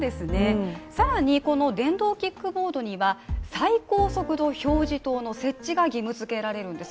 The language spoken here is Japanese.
更に電動キックボードには最高速度表示灯の設置が義務づけられるんです。